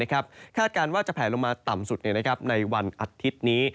คาดการณ์ว่าจะแผลลงมาต่ำสุดในวันอาทิตย์นี้